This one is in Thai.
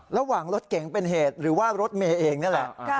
ระหว่างรถเก๋งเป็นเหตุหรือว่ารถเมย์เองนั่นแหละ